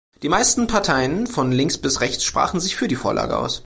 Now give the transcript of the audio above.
Die meisten Parteien von links bis rechts sprachen sich für die Vorlage aus.